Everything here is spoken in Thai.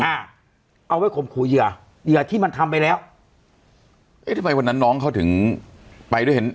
อ่าเอาไว้ข่มขู่เหยื่อเหยื่อที่มันทำไปแล้วเอ๊ะทำไมวันนั้นน้องเขาถึงไปด้วยเห็น